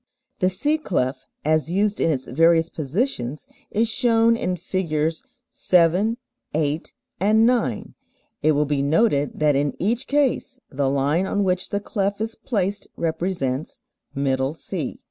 The C clef as used in its various positions is shown in Figs. 7, 8, and 9. It will be noted that in each case the line on which the clef is placed represents "middle C."